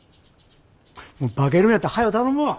化けるんやったらはよ頼むわ。